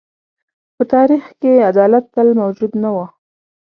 په تاریخ کې عدالت تل موجود نه و.